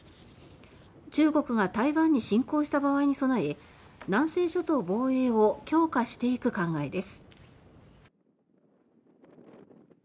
中国が台湾に侵攻した場合に備え南西諸島防衛を強化していく考えです。